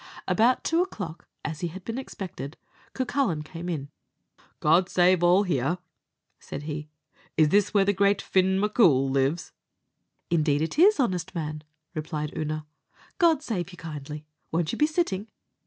About two o'clock, as he had been expected, Cucullin came in. "God save all here!" said he; "is this where the great Fin M'Coul lives?" "Indeed it is, honest man," replied Oonagh; "God save you kindly won't you be sitting?"